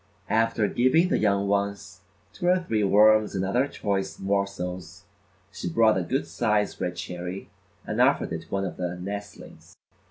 After giving the young ones two or three worms and other choice morsels, she brought a good size red cherry and offered it to one of the nestlings.